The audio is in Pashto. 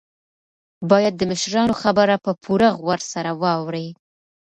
باید د مشرانو خبره په پوره غور سره واورئ.